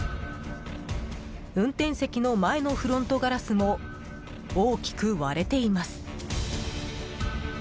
運転席の前のフロントガラスも大きく割れています。